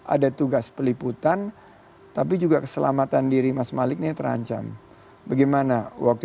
ada tugas peliputan tapi juga keselamatan diri mas maliknya terancam bagaimana waktu